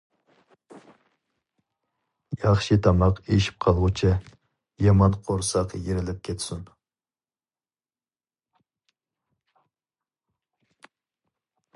ياخشى تاماق ئېشىپ قالغۇچە، يامان قورساق يېرىلىپ كەتسۇن.